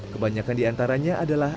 kebanyakan di antaranya adalah